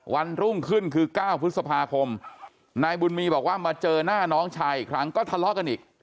วันรุ่งขึ้นคือ๙พฤษภาคมนายบุญมีบอกว่ามาเจอหน้าน้องชายอีกครั้งก็ทะเลาะกันอีก